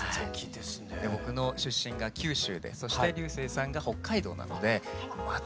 で僕の出身が九州でそして彩青さんが北海道なのでまた。